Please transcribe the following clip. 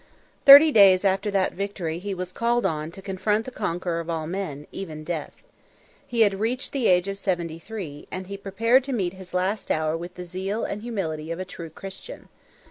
Thirty days after that victory he was called on to confront the conqueror of all men, even Death. He had reached the age of seventy three, and he prepared to meet his last hour with the zeal and humility of a true Christian.